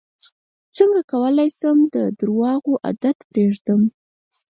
څنګه کولی شم د درواغو عادت پرېږدم